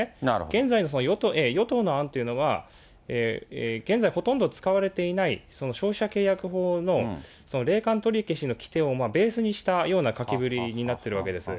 現在の与党の案というのは、現在、ほとんど使われていない、消費者契約法の霊感取り消しの規定をベースにしたような書きぶりになってるわけです。